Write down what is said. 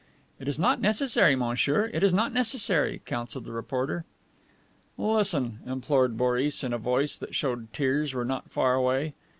"It is not necessary, monsieur; it is not necessary," counseled the reporter. "Listen," implored Boris in a voice that showed tears were not far away.